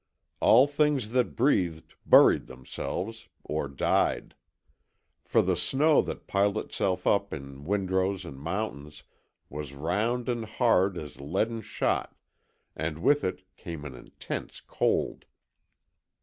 All things that breathed buried themselves or died; for the snow that piled itself up in windrows and mountains was round and hard as leaden shot, and with it came an intense cold.